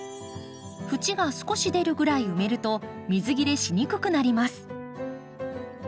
縁が少し出るぐらい埋めると水切れしにくくなります。